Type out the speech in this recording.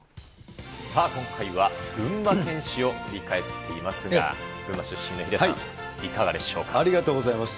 さあ、今回は群馬県史を振り返っていますが、群馬出身のヒデさん、ありがとうございます。